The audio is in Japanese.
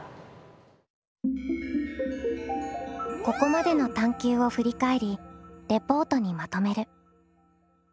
ここまでの探究を振り返りレポートにまとめる。